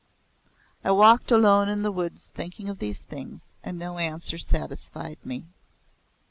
I walked alone in the woods thinking of these things and no answer satisfied me.